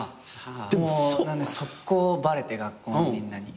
でも即行バレて学校のみんなに。